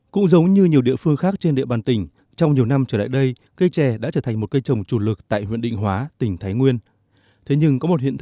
cũng giống như nhiều địa phương khác trên địa bàn tỉnh trong nhiều năm trở lại đây cây trè đã trở thành một cây trồng chủ lực tại huyện định hóa tỉnh thái nguyên